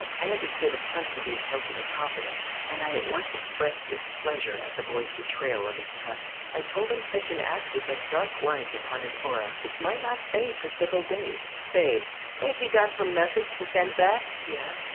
I understood a plunk to be a token of confidence, and I at once expressed displeasure at the boy's betrayal of his trust. I told him such an act would make dark lines upon his aura which might not fade for several days. "Say, ain't you got some message to send back?" he asked.